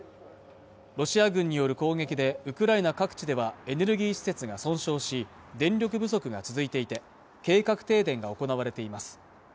ロシア軍による攻撃でウクライナ各地ではエネルギー施設が損傷し電力不足が続いていて計画停電が行われています